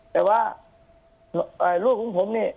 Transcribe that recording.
แต่ว่าลูกของผมนี่